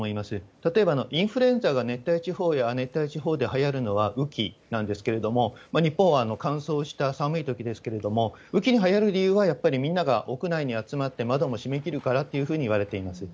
例えばインフルエンザが熱帯地方や亜亜熱帯地方ではやるのは雨季なんですけれども、一方、乾燥した寒いときですけれども、雨季にはやる理由はやっぱりみんなが屋内に集まって、窓も締め切るからっていうふうにいわれています。